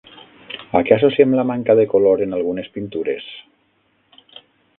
A què associem la manca de color en algunes pintures?